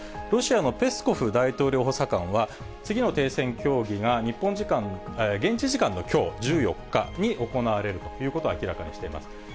ロシアのペスコフ大統領補佐官は、次の停戦協議が現地時間のきょう１４日に行われるということを明らかにしています。